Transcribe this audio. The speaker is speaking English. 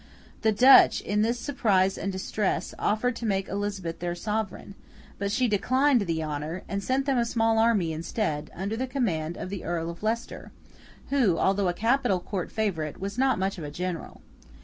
The Dutch, in this surprise and distress, offered to make Elizabeth their sovereign, but she declined the honour, and sent them a small army instead, under the command of the Earl of Leicester, who, although a capital Court favourite, was not much of a general.